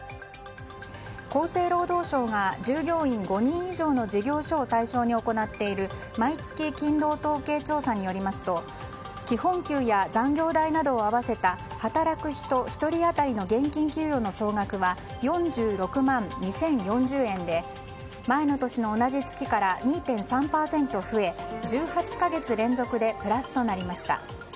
厚生労働省が従業員５人以上の事業所を対象に行っている毎月勤労統計調査によりますと基本給や残業代などを合わせた働く人１人当たりの現金給与の総額は４６万２０４０円で前の年の同じ月から２．３％増え１８か月連続でプラスとなりました。